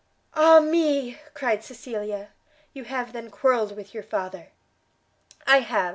"Ah me!" cried Cecilia, "you have then quarrelled with your father!" "I have!"